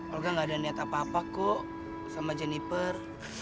olga gak ada niat apa apa kok sama jennifer